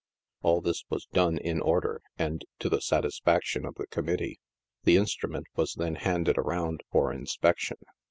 All this was done in order and to the satis faction of the committee. The instrument was then handed around for inspection.